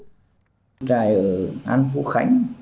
tình trạng này ở an phú khánh